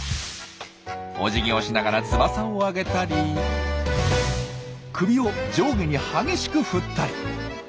おじぎをしながら翼を上げたり首を上下に激しく振ったり。